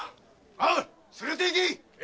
・おう連れていけ！